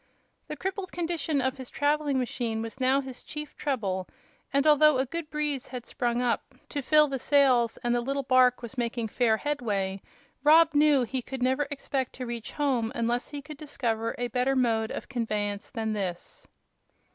The crippled condition of his traveling machine was now his chief trouble, and although a good breeze had sprung up to fill the sails and the little bark was making fair headway, Rob knew he could never expect to reach home unless he could discover a better mode of conveyance than this.